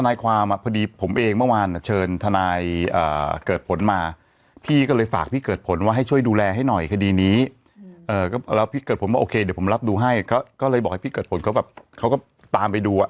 ยังไม่ชินลืม